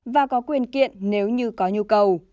và có quyền kiện nếu như có nhu cầu